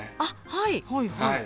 はいはい。